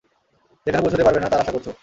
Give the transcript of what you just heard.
যেখানে পৌঁছতে পারবে না তার আশা করছো!